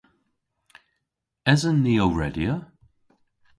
Esen ni ow redya?